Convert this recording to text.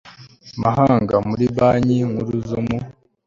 mahanga muri banki nkuru zo mu